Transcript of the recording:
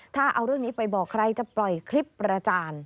ถ้าเอาเรื่องนี้ไปบอกใครจะปล่อยคลิปประจาน